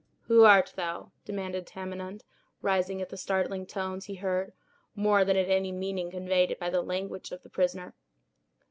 "Who art thou?" demanded Tamenund, rising at the startling tones he heard, more than at any meaning conveyed by the language of the prisoner.